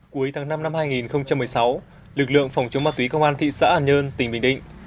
cuối tháng năm năm hai nghìn một mươi sáu lực lượng phòng chống ma túy công an thị xã an nhơn tỉnh bình định